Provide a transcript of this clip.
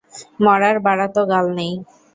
মরার বাড়া তো গাল নেই।